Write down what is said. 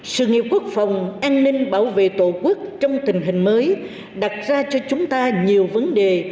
sự nghiệp quốc phòng an ninh bảo vệ tổ quốc trong tình hình mới đặt ra cho chúng ta nhiều vấn đề